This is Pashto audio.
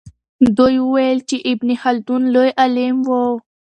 دوی وویل چې ابن خلدون لوی عالم و.